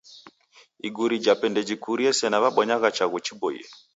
Iguri jape ndejikurie sena wabonyagha chaghu chiboie.